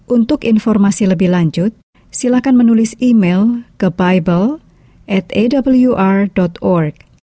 untuk informasi lebih lanjut silahkan menulis email ke bible atawr org